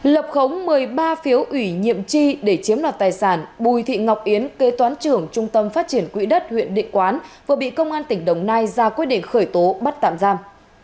lập khống một mươi ba phiếu ủy nhiệm tri để chiếm đoạt tài sản bùi thị ngọc yến kế toán trưởng trung tâm phát triển quỹ đất huyện địa quán vừa bị công an tỉnh đồng nai ra quyết định khởi tố bắt tạm giam